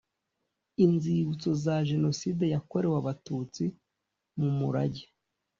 Inzibutso za jenoside yakorewe abatutsi mu mu murage